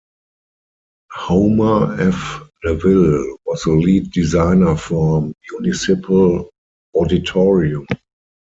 Homer F. Neville was the lead designer for Municipal Auditorium.